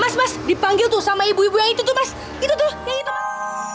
mas mas dipanggil tuh sama ibu ibu yang itu tuh mas gitu tuh mas